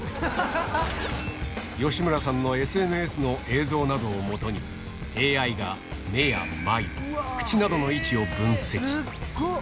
吉村さんのＳＮＳの映像などを基に、ＡＩが目や眉、口などの位置を分析。